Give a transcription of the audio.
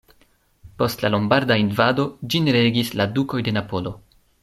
Post la lombarda invado ĝin regis la dukoj de Napolo.